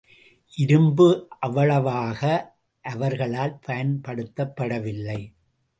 இரும்பு அவ்வளவாக அவர்களால் பயன்படுத்தப்படவில்லை.